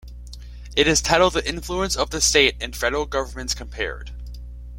It is titled The Influence of the State and Federal Governments Compared.